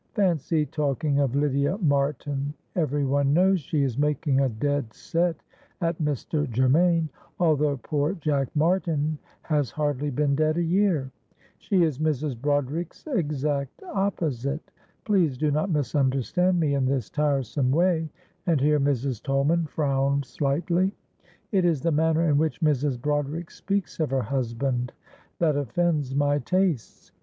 Fancy talking of Lydia Martin, every one knows she is making a dead set at Mr. Germaine, although poor Jack Martin has hardly been dead a year. She is Mrs. Broderick's exact opposite. Please do not misunderstand me in this tiresome way," and here Mrs. Tolman frowned slightly. "It is the manner in which Mrs. Broderick speaks of her husband that offends my tastes.